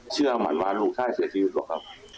เชื่อหวั่นวางดูใช่เสียชีวิตหรอครับ